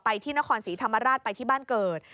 ที่นครศรีธรรมราชไปที่บ้านเกิด